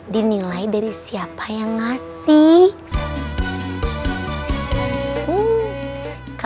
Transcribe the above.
dinilai dari siapa yang ngasih